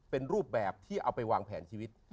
เป็นรูปแบบที่เอาไปวางแผนชีวิต